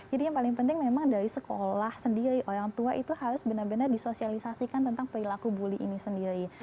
jadi yang paling penting memang dari sekolah sendiri orang tua itu harus benar benar disosialisasikan tentang perilaku bully ini sendiri